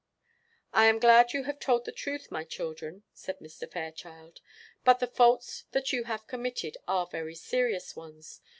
"I am glad that you have told the truth, my children," said Mr. Fairchild; "but the faults that you have committed are very serious ones.